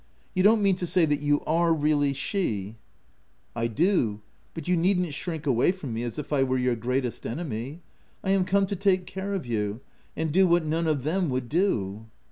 "You don't mean to say that you are really she !" 200 THE TENANT "I do ; but you needn't shrink away from me, as if I were your greatest enemy : I am come to take care of you, and do what none of them would do.''